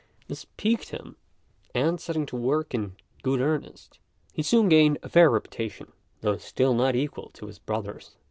This piqued him; and, setting to work in good earnest, he soon gained a fair reputation, though still not equal to his brother's.